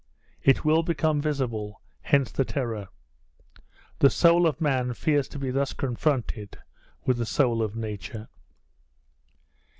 It will become visible; hence the terror. The soul of man fears to be thus confronted with the soul of nature.